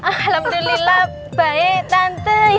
alhamdulillah baik tante